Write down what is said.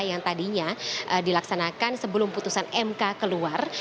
yang tadinya dilaksanakan sebelum putusan mk keluar